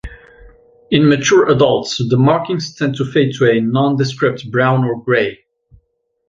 In mature adults the markings tend to fade to a nondescript brown or grey.